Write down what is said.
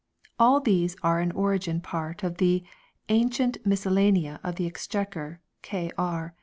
All these are in origin part of the "Ancient Miscellanea of the Exchequer, K.R.